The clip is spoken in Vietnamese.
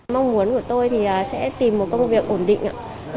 mong muốn của tôi thì sẽ tìm một công việc ổn định ạ